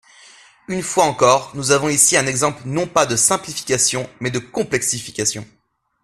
Une fois encore, nous avons ici un exemple non pas de simplification mais de complexification.